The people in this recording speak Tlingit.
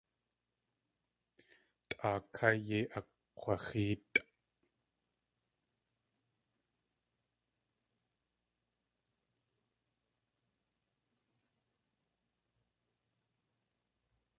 Tʼaa ká yei akg̲waxéetʼ.